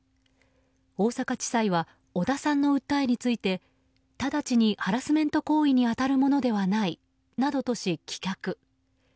大阪地裁は織田さんの訴えについてただちにハラスメント行為に当たるものではないなどとし棄却。